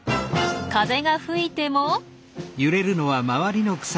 風が吹いても。